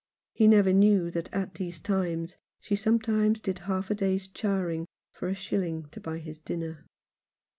He never knew that at these times she sometimes did half a day's charing for a shilling to buy his dinner.